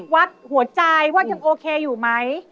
วัดหัวใจว่ายังโอเคอยู่ไหม